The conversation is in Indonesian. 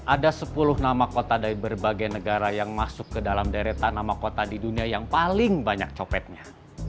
ada sepuluh nama kota dari berbagai negara yang masuk ke dalam deretan nama kota di dunia yang paling banyak copetnya